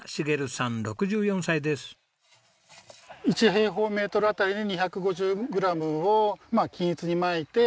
１平方メートル辺りに２５０グラムを均一にまいて。